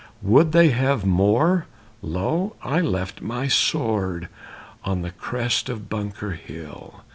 Would they have more? Lo, I left my sword On the crest of Bunker Hill."